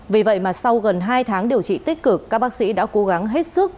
vì vậy mà sau gần hai tháng điều trị tích cực các bác sĩ đã cố gắng hết sức